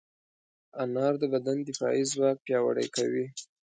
انار د بدن دفاعي ځواک پیاوړی کوي.